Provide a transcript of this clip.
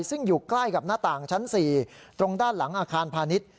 ซึ่งอยู่ใกล้กับหน้าต่างชั้น๔ตรงด้านหลังอาคารพาณิชย์